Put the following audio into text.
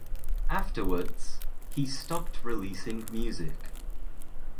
Afterwards, he stopped releasing music.